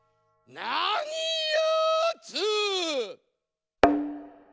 なにやつ？